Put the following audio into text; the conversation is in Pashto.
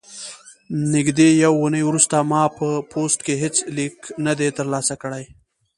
نږدې یوه اونۍ وروسته ما په پوسټ کې هیڅ لیک نه دی ترلاسه کړی.